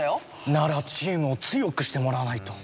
ならチームを強くしてもらわないと。